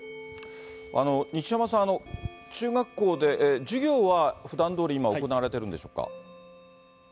西山さん、中学校で授業はふだんどおり今、行われているんでしょうか。